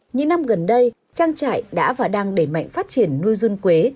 như năm gần đây trang trại đã và đang để mạnh phát triển nuôi dun quế